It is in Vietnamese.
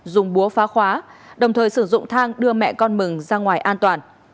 dùng búa phá khóa đồng thời sử dụng thang đưa mẹ con mừng ra ngoài an toàn